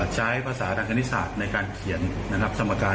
ใช้ภาษาทางคณิตศาสตร์ในการเขียนนะครับสมการ